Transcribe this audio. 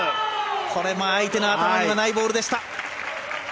これも相手の頭にはないボールでした。